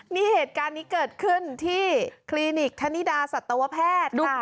นี่เหตุการณ์นี้เกิดขึ้นที่คลินิกธนิดาสัตวแพทย์ค่ะ